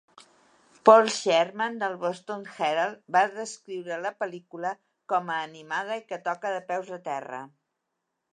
Paul Sherman del Boston Herald va descriure la pel·lícula com a "animada i que toca de peus a terra".